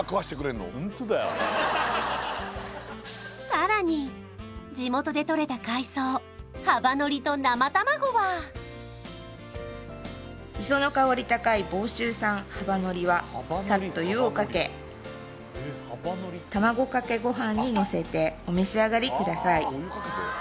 さらに地元でとれた海藻磯の香り高い房州産はばのりはサッと湯をかけ卵かけご飯にのせてお召し上がりください